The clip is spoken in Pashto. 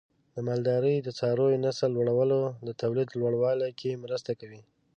د مالدارۍ د څارویو نسل لوړول د تولید لوړوالي کې مرسته کوي.